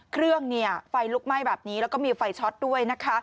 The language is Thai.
เครื่องไฟลุกไหม้แบบนี้แล้วก็มีไฟช็อตด้วยนะคะ